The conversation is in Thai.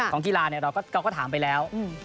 ของกีฬาเนี่ยเค้าก็ถามไปแล้ว